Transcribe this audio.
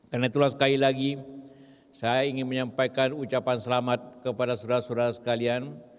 karena itulah sekali lagi saya ingin menyampaikan ucapan selamat kepada saudara saudara sekalian